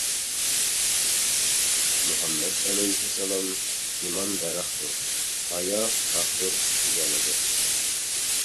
مۇھەممەد ئەلەيھىسسالام: «ئىمان دەرەختۇر، ھايا شاختۇر» دېگەنىدى.